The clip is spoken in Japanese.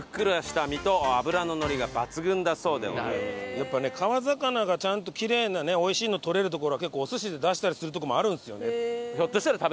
やっぱね川魚がちゃんときれいな美味しいのとれる所は結構お寿司で出したりするとこもあるんですよね。